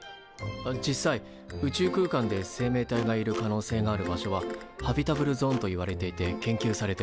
あっ実際宇宙空間で生命体がいる可能性がある場所はハビタブルゾーンといわれていて研究されてる。